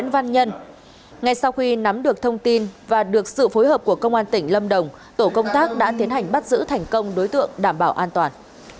và được sự phối hợp của công an tỉnh lâm đồng tổ công tác đã tiến hành bắt giữ thành công đối tượng đảm bảo an toàn